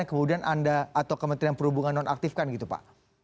kemudian anda atau kementerian perhubungan nonaktifkan gitu pak